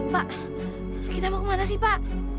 pak kita mau kemana sih pak